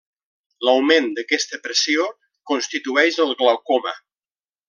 L'augment d'aquesta pressió constitueix el glaucoma.